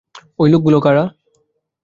ওই লোকগুলো কারা?